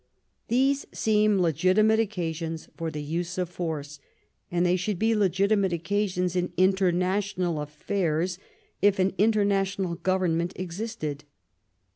These seem legitimate occasions for the use of force; and they should be legitimate occasions in international affairs, if an international government existed.